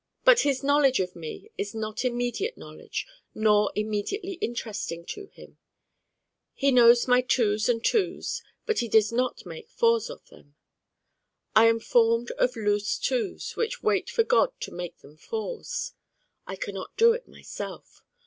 But his knowledge of me is not immediate knowledge nor immediately interesting to him. He knows my Twos and Twos but he does not make Fours of them. I am formed of loose Twos which wait for God to make them Fours. I can not do it myself.